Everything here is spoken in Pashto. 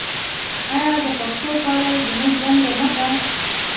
آیا د پښتو پالل زموږ دنده نه ده؟